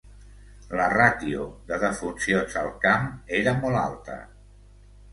La ràtio de defuncions al camp era molt alta.